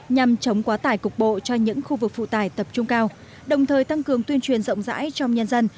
nhằm chống quá tải cục bộ cho những khu vực phụ tải tập trung cao đồng thời tăng cường tuyên truyền rộng rãi trong nhân dân